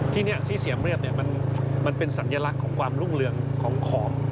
ที่นี่ที่เสียมเรียบมันเป็นสัญลักษณ์ของความรุ่งเรืองของ